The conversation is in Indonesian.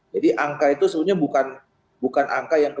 jadi angka itu sebenarnya bukan angka itu